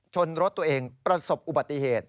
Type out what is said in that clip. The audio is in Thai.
รถตัวเองประสบอุบัติเหตุ